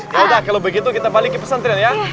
yaudah kalau begitu kita balik ke pesantren ya